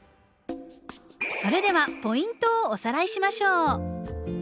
それではポイントをおさらいしましょう。